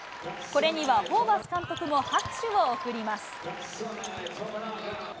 これにはホーバス監督も拍手を送ります。